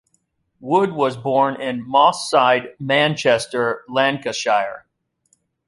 Wood was born in Moss Side, Manchester, Lancashire.